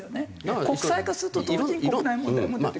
国際化すると当然国内問題も出てくる。